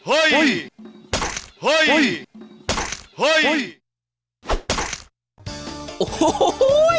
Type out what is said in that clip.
โอ้โหโอ้โห